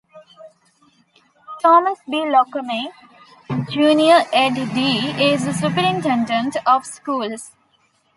Thomas B. Lockamy, Junior Ed.D., is the Superintendent of Schools.